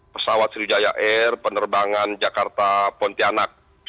pesawat sriwijaya air penerbangan jakarta pontianak